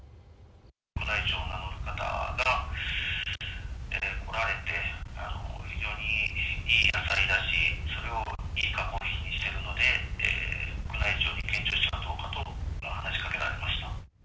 宮内庁を名乗る方が来られて、非常にいい野菜だし、それをいい加工品にしているので、宮内庁に献上したらどうかと話しかけられました。